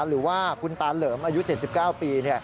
หรือว่าคุณตาเหลิมอายุ๗๙ปี